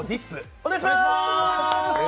お願いします！